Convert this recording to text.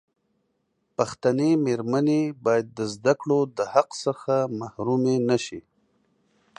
پښتنې مېرمنې باید د زدکړو دحق څخه محرومي نشي.